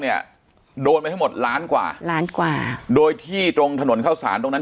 เนี่ยโดนไปทั้งหมดล้านกว่าล้านกว่าโดยที่ตรงถนนเข้าสารตรงนั้น